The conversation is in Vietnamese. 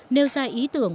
nêu ra ý tưởng